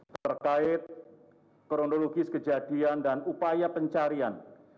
terkait kronologis kejadian dan upaya pencarian